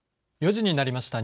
４時になりました。